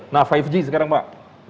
nah lima g sekarang pak